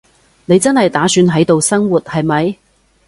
你真係打算喺度生活，係咪？